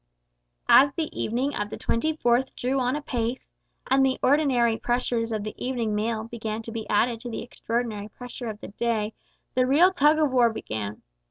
As the evening of the 24th drew on apace, and the ordinary pressure of the evening mail began to be added to the extraordinary pressure of the day, the real tug of war began!